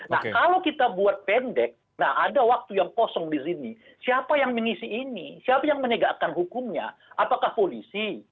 nah kalau kita buat pendek nah ada waktu yang kosong di sini siapa yang mengisi ini siapa yang menegakkan hukumnya apakah polisi